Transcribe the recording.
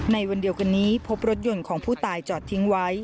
ในวันเดียวกันนี้พบรถยนต์ของผู้ตายจอดทิ้งไว้